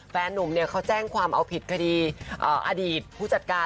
แฟนนุ่มเขาแจ้งความเอาผิดคดีอดีตผู้จัดการ